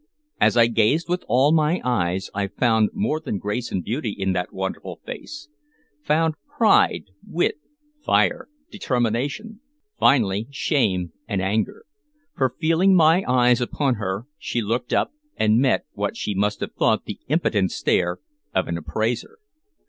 As I gazed with all my eyes, I found more than grace and beauty in that wonderful face, found pride, wit, fire, determination, finally shame and anger. For, feeling my eyes upon her, she looked up and met what she must have thought the impudent stare of an appraiser.